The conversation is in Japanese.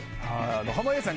濱家さん